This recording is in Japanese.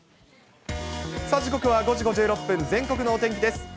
さあ、時刻は５時５６分、全国のお天気です。